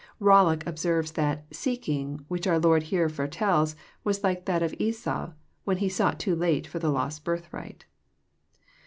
Bollock observes that the " seeking which our Lord here fore tells was like that of Esau, when he sought too late for the lost birthright.